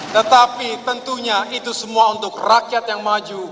tetapi tentunya itu semua untuk rakyat yang maju